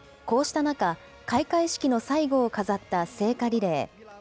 こうした中、開会式の最後を飾った聖火リレー。